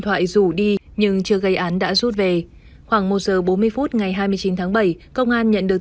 thoại rủ đi nhưng chưa gây án đã rút về khoảng một giờ bốn mươi phút ngày hai mươi chín tháng bảy công an nhận được